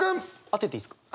当てていいっすか？